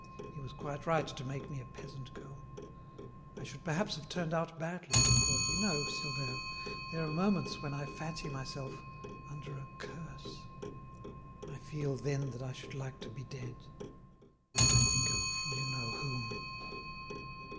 He was quite right to make me a peasant girl; I should perhaps have turned out badly, for, do you know, Silvère, there are moments when I fancy myself under a curse. ... I feel, then, that I should like to be dead. ... I think of you know whom."